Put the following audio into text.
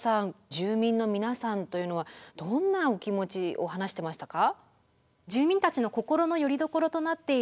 住民の皆さんというのはどんなお気持ちを話してましたか？